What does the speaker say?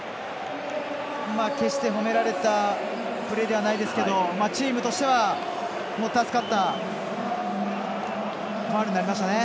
決して、褒められたプレーではないですけどチームとしては助かったファウルになりましたね。